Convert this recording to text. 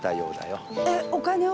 えっお金を？